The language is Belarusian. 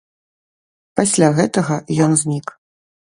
Пасля гэтага ён знік.